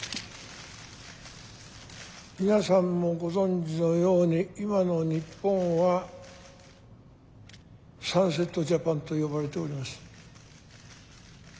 皆さんもご存じのように今の日本はサンセット・ジャパンと呼ばれております。